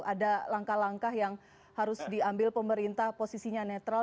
ada langkah langkah yang harus diambil pemerintah posisinya netral